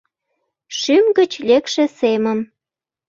Шӱм гыч лекше семым